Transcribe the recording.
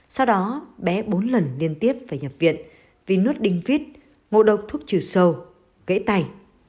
sau đó bé bốn lần liên tiếp phải nhập viện vì nuốt đinh viết ngộ độc thuốc trừ sâu gãy tay